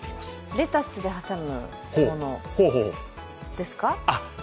レタスで挟むものですか？